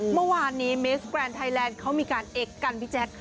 เมื่อวานนี้มิสแกรนด์ไทยแลนด์เขามีการเอ็กซ์กันพี่แจ๊ค